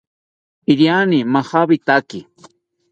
Iriani majawitaki